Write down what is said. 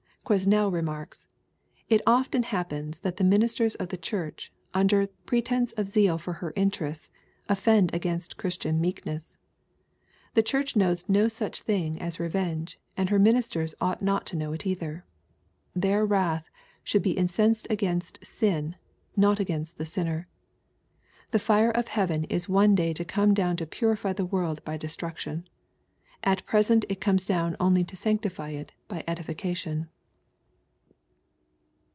Quesnel remarks, " It often happens that the ministers of the Church, under pretence of zeal for her interests, offend against Christian meekness. The* Church knows no such thing as re venge, and her ministers ought not to know it either. Their wrath should be incensed against sin, not against the sinner. The fire of heaven is one day to come down to purify the world by destruction. At present it comes down only to sanctify it by edification."